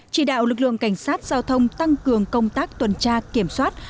chỉ đạo lực lượng cảnh sát giao thông tăng cường công tác tuần tra kiểm soát